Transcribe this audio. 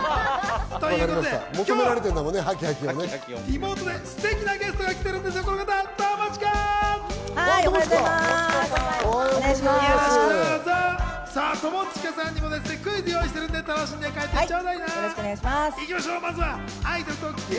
ということで、リモートですてきなゲストが来てくれているんです、友近！